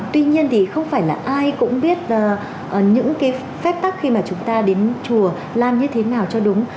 tuy nhiên thì không phải là ai cũng biết những cái phép tắc khi mà chúng ta đến chùa làm như thế nào cho đúng